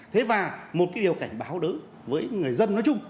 thế và một điều cảnh báo đỡ với người dân nói chung